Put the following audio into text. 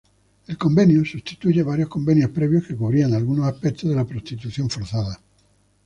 El Convenio sustituye varios convenios previos que cubrían algunos aspectos de la prostitución forzada.